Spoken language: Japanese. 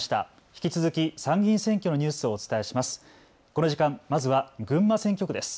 引き続き参議院選挙のニュースをお伝えします。